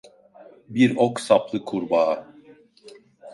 Bir ok saplı kurbağa.